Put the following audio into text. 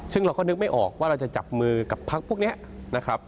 ซึ่งเราก็นึกไม่ออกว่าเราจะจับมือกับพักพวกนี้นะครับ